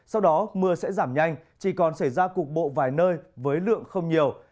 sau đó mưa sẽ giảm nhanh chỉ còn xảy ra cục bộ vài nơi với lượng không nhiều